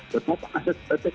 betapa aset petik